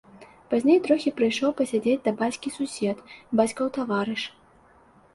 Пазней трохі прыйшоў пасядзець да бацькі сусед, бацькаў таварыш.